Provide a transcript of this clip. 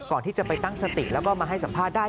ก่อนที่จะไปตั้งสติแล้วก็มาให้สัมภาษณ์ได้